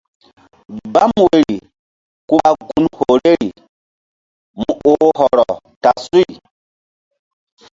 Gbam woyri ku ɓa gun horeri mu oh hɔrɔ ta suy.